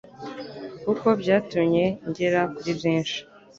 kuko byatumye ngera kuri byinshi